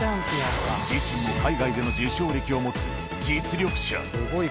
自身も海外での受賞歴を持つ実力者。